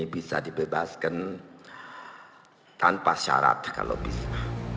bisa dibebaskan tanpa syarat kalau bisa